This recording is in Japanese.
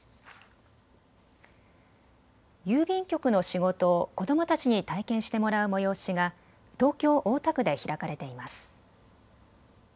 郵便局の仕事を子どもたちに体験してもらう催しが東京大田区で開かれています。